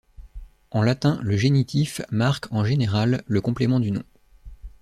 En latin, le génitif marque, en général, le complément du nom.